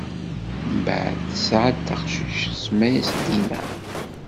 Mbeɛd, tesɛa-d taqcict, tsemma-yas Dina.